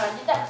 ini tuh apa